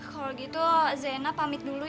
kalau gitu zainab pamit dulu ya